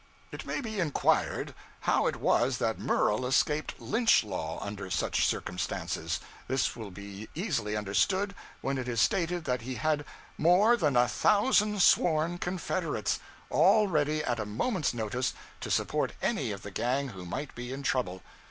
It may be inquired, how it was that Murel escaped Lynch law under such circumstances This will be easily understood when it is stated that he had more than a thousand sworn confederates, all ready at a moment's notice to support any of the gang who might be in trouble.